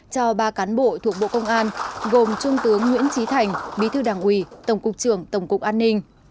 cho ba cán bộ thuộc bộ công an gồm trung tướng nguyễn trí thành bí thư đảng ủy tổng cục trưởng tổng cục an ninh